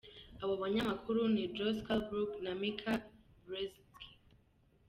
Abo banyamakuru ni Joe Scarborough na Mika Brzezinski.